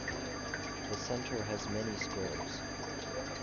The center has many squares.